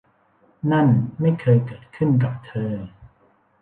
นั่นไม่เคยเกิดขึ้นกับเธอ